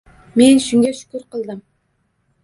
Men shunga shukr qildim.